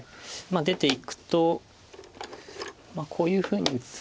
出ていくとこういうふうに打つ。